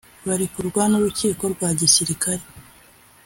barekurwa n'urukiko rwa gisirikari.